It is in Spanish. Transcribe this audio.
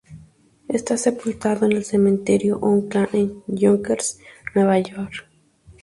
Está sepultado en el Cementerio Oakland en Yonkers, Nueva York.